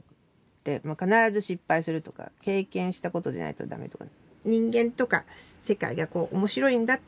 必ず失敗するとか経験したことでないとだめとか。